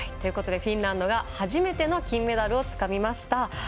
フィンランドが初めての金メダルをつかみました。